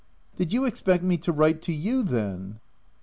" Did you expect me to write to you then